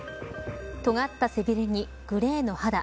とがった背びれにグレーの肌。